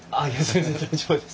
全然大丈夫です。